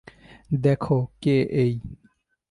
দেখো কে এই।